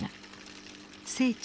聖地